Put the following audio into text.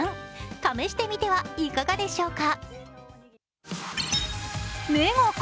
試してみてはいかがでしょうか。